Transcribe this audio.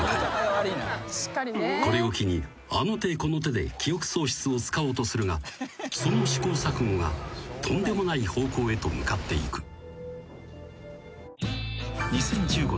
［これを機にあの手この手で記憶喪失を使おうとするがその試行錯誤がとんでもない方向へと向かっていく］